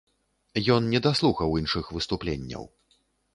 Ён недаслухаў іншых выступленняў.